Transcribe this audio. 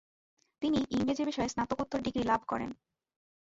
তিনি ইংরাজী বিষয়ে স্নাতকোত্তর ডিগ্রি লাভ করেন।